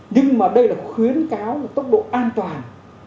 nhưng mà đây là khuyến cáo tốc độ an toàn